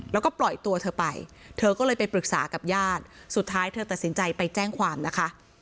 แล้วก็ปล่อยตัวเธอไปเธอก็เลยไปปรึกษากับญาติสุดท้ายเธอตัดสินใจไปแจ้งความนะคะ